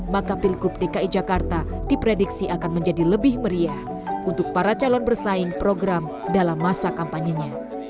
maka pilkup dki jakarta diprediksi akan menjadi lebih meriah untuk para calon bersaing program dalam masa kampanyenya